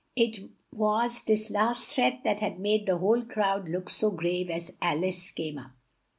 (It was this last threat that had made the whole crowd look so grave as Al ice came up.)